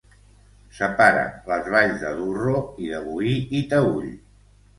Separa les valls de Durro i de Boí i Taüll.